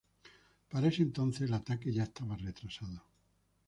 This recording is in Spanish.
Para ese entonces el ataque ya estaba retrasado.